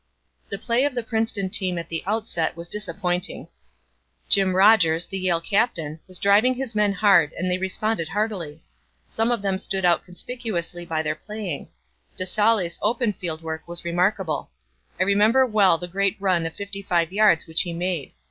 The play of the Princeton team at the outset was disappointing. Jim Rodgers, the Yale captain, was driving his men hard and they responded heartily. Some of them stood out conspicuously by their playing. De Saulles' open field work was remarkable. I remember well the great run of fifty five yards which he made.